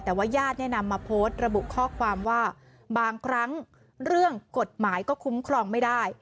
แต่ว่าญาติเนี่ยนำมาโพสต์ระบุข้อความว่าบางครั้งเรื่องกฎหมายก็คุ้มครองไม่ได้